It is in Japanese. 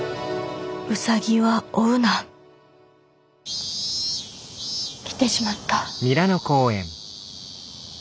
ウサギは追うな。来てしまった。